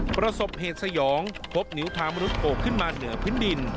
ประสบเหตุสยองพบนิ้วเท้ามนุษย์โผล่ขึ้นมาเหนือพื้นดิน